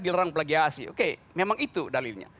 dilarang plagiasi oke memang itu dalilnya